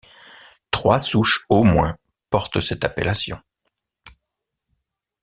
Trois souches au moins portent cette appellation.